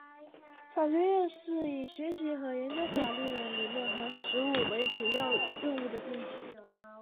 法学院是以学习和研究法律的理论和实务为主要任务的院系。